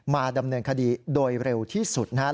มาดำเนินคดีโดยเร็วที่สุดนะครับ